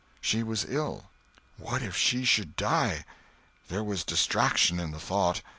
She was ill. What if she should die! There was distraction in the thought.